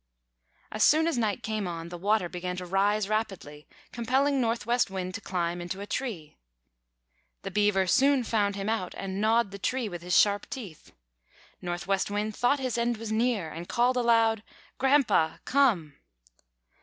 As soon as night came on, the water began to rise rapidly, compelling Northwest Wind to climb into a tree. The Beaver soon found him out, and gnawed the tree with his sharp teeth. Northwest Wind thought his end was near, and called aloud: "Grandpa, come!"